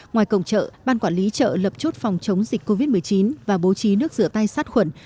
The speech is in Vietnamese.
ngoài cổng chợ ban quản lý chợ lập chốt phòng chống dịch covid một mươi chín và bố trí nước rửa tay sát khuẩn